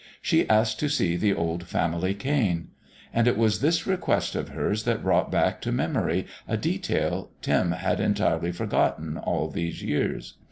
She asked to see the old family cane. And it was this request of hers that brought back to memory a detail Tim had entirely forgotten all these years.